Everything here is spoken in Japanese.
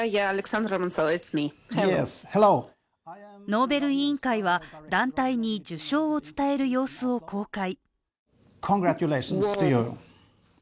ノーベル委員会は団体に受賞を伝える様子を公開。